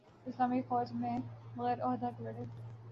پھر اسلامی فوج میں بغیر عہدہ کے لڑے